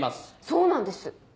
そうなんです。